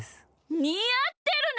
にあってるね！